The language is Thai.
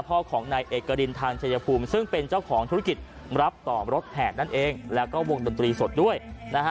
พ่อของนายเอกรินทางชายภูมิซึ่งเป็นเจ้าของธุรกิจรับต่อรถแห่นั่นเองแล้วก็วงดนตรีสดด้วยนะฮะ